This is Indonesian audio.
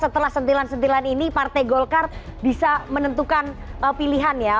karena setelah sentilan sentilan ini partai golkar bisa menentukan pilihan ya